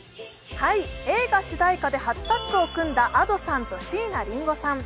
映画主題歌で初タッグを組んだＡｄｏさんと椎名林檎さん。